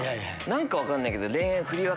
何か分かんないけど。